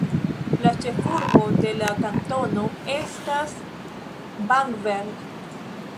La ĉefurbo de la kantono estas Bamberg.